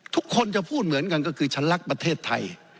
ทุกคนจะพูดเหมือนกันก็คือฉันรักประเทศไทย